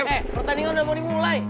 eh pertandingan udah mau dimulai